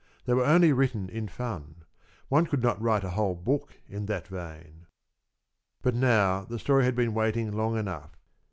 They were only written in fun. One could not write a whole book in that vein. But now the story had been waiting long enough.